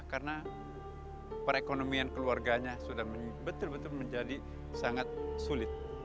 karena perekonomian keluarganya sudah betul betul menjadi sangat sulit